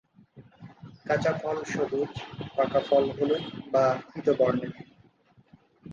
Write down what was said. কাঁচা ফল সবুজ, পাকা ফল হলুদ বা পীত বর্ণের।